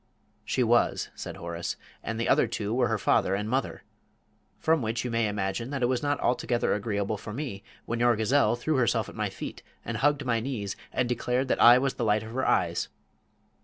"She was," said Horace, "and the other two were her father and mother. From which you may imagine that it was not altogether agreeable for me when your gazelle threw herself at my feet and hugged my knees and declared that I was the light of her eyes.